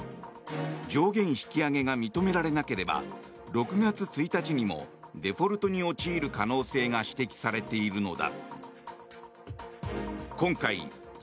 上限引き上げが認められなければ６月１日にもデフォルトに陥る可能性が指摘されているのだ。